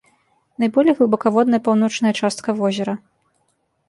Найболей глыбакаводная паўночная частка возера.